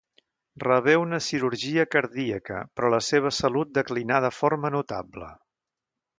Rebé una cirurgia cardíaca, però la seva salut declinà de forma notable.